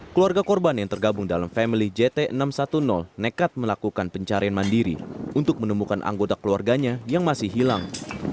keluarga korban yang tergabung dalam family jt enam ratus sepuluh nekat melakukan pencarian mandiri untuk menemukan anggota keluarganya yang masih hilang